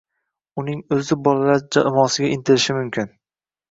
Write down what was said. Uning o‘zi bolalar jamoasiga intilishi mumkin.